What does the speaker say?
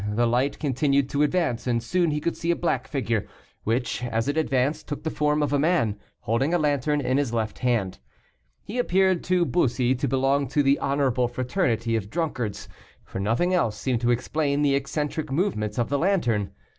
The light continued to advance, and soon he could see a black figure, which, as it advanced, took the form of a man, holding a lantern in his left hand. He appeared to Bussy to belong to the honorable fraternity of drunkards, for nothing else seemed to explain the eccentric movements of the lantern.